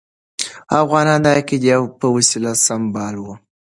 افغانان د عقیدې په وسله سمبال وو.